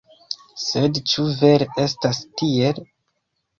Sed ĉu vere estas tiel?